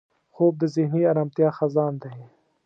خوب د ذهني ارامتیا خزان دی